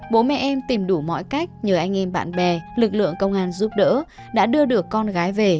bố mẹ em tìm đủ mọi cách nhờ anh em bạn bè lực lượng công an giúp đỡ đã đưa được con gái về